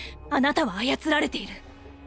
あなたは操られている。